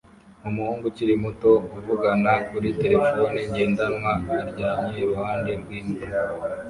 Umuhungu ukiri muto uvugana kuri terefone ngendanwa aryamye iruhande rw'imbwa